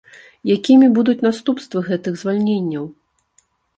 Якімі будуць наступствы гэтых звальненняў?